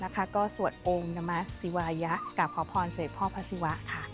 ก็สวดองค์นมัสศิวารยะกลับขอพรเสด็จพ่อพระศิวะค่ะ